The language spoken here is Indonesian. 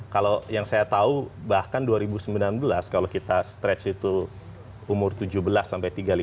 kalau yang saya tahu bahkan dua ribu sembilan belas kalau kita stretch itu umur tujuh belas sampai tiga puluh lima